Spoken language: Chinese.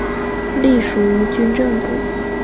隶属于军政部。